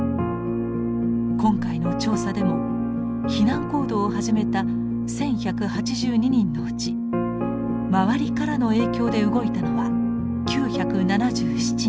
今回の調査でも避難行動を始めた１，１８２人のうち周りからの影響で動いたのは９７７人。